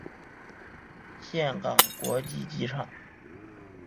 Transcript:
岘港国际机场。